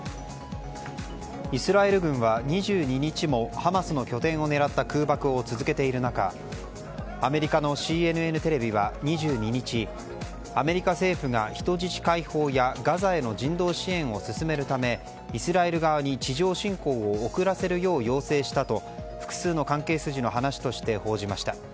イスラエル軍は、２２日もハマスの拠点を狙った空爆を続けている中アメリカのＣＮＮテレビは２２日、アメリカ政府が人質解放やガザへの人道支援を進めるためイスラエル側に地上侵攻を遅らせるよう要請したと複数の関係筋の話として報じました。